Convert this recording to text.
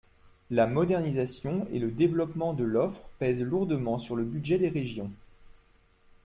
La modernisation et le développement de l’offre pèsent lourdement sur le budget des régions.